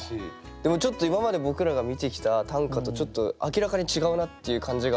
でもちょっと今まで僕らが見てきた短歌とちょっと明らかに違うなっていう感じが。